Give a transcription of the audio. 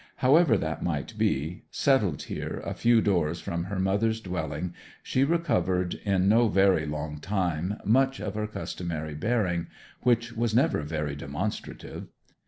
However that might be, settled here, a few doors from her mother's dwelling, she recovered in no very long time much of her customary bearing, which was never very demonstrative.